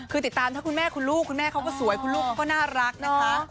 คือติดตามถ้าคุณแม่คุณลูกคุณแม่เขาก็สวยคุณลูกเขาก็น่ารักนะคะ